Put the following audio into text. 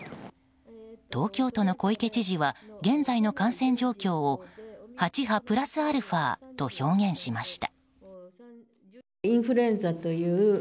東京都の小池知事は現在の感染状況を８波プラスアルファと表現しました。